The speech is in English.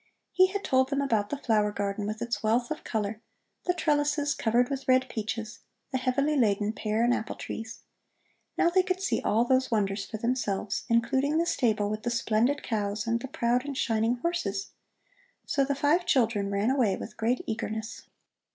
He had told them about the flower garden with its wealth of color, the trellises, covered with red peaches, the heavily laden pear and apple trees. Now they could see all those wonders for themselves, including the stable with the splendid cows and the proud and shining horses. So the five children ran away with great eagerness.